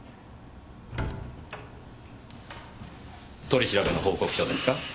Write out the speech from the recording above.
取り調べの報告書ですか？